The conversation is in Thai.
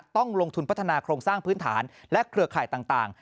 ต้องลงทุนพัฒนาโครงสร้างพื้นฐานและเครือข่ายต่าง